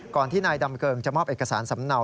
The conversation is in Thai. ที่นายดำเกิงจะมอบเอกสารสำเนา